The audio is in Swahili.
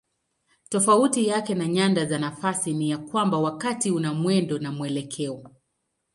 Tofauti yake na nyanda za nafasi ni ya kwamba wakati una mwendo na mwelekeo.